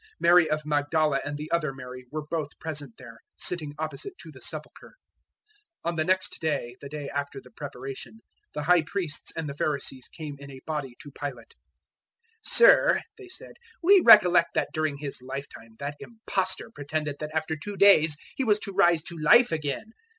027:061 Mary of Magdala and the other Mary were both present there, sitting opposite to the sepulchre. 027:062 On the next day, the day after the Preparation, the High Priests and the Pharisees came in a body to Pilate. 027:063 "Sir," they said, "we recollect that during his lifetime that impostor pretended that after two days he was to rise to life again.